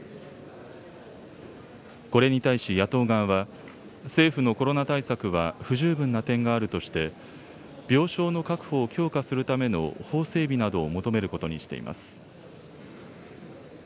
これに対し野党側は、政府のコロナ対策は不十分な点があるとして、病床の確保を強化するための法整備などを求めることにしています。